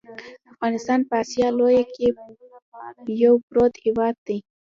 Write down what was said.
افغانستان په اسیا لویه کې یو پروت هیواد دی .